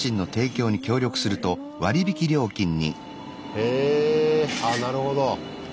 へあなるほど。